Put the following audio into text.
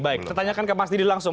baik ketanyakan ke mas didi langsung